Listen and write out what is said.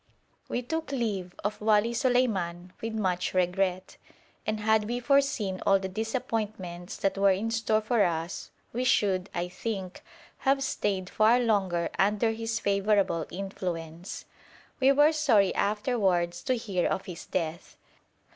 We took leave of Wali Suleiman with much regret, and had we foreseen all the disappointments that were in store for us we should, I think, have stayed far longer under his favourable influence. We were sorry afterwards to hear of his death.